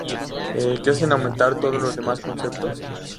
que hacen aumentar todos los demás conceptos